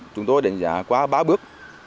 chúng tôi đánh giá qua ba bước